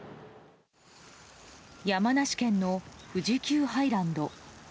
山梨県の富士急ハイランド。